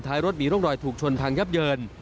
รถมีร่องรอยถูกชนพังยับเยิน